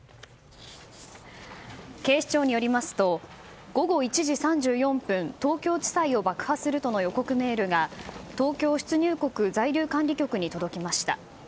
警視庁によりますと午後１時３４分、東京地裁を爆破するとの予告メールが東京出入国在留管理局に届きました。